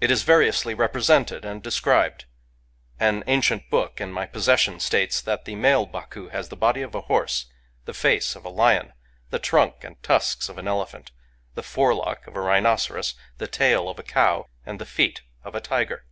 It is variously represented and described. An ancient book in my possession states that the male Baku has the body of a horse, the face of a lion, the trunk and tusks of an elephant, the forelock of a rhinoc eros, the tail of a cow, and the feet of a tiger.